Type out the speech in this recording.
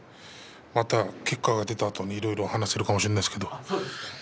また結果が出たあとにいろいろ話せるかもしれませんけど。